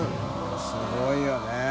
すごいよね。